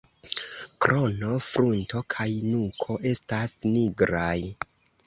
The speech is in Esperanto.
Krono, frunto kaj nuko estas nigraj.